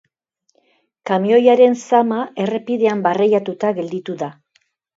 Kamioiaren zama errepidean barreiatuta gelditu da.